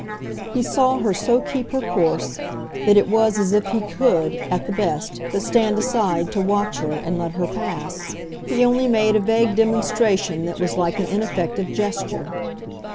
He saw her so keep her course that it was as if he could, at the best, but stand aside to watch her and let her pass; he only made a vague demonstration that was like an ineffective gesture.